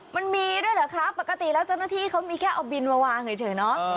มันมีด้วยเหรอคะปกติแล้วเจ้าหน้าที่เขามีแค่เอาบินมาวางเฉยเนาะ